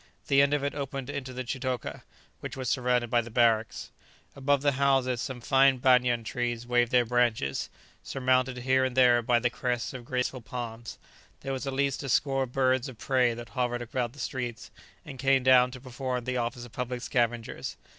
The end of it opened into the chitoka, which was surrounded by the barracks. Above the houses some fine banyan trees waved their branches, surmounted here and there by the crests of graceful palms. There was at least a score of birds of prey that hovered about the streets, and came down to perform the office of public scavengers.